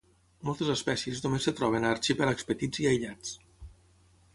Moltes espècies només es troben a arxipèlags petits i aïllats.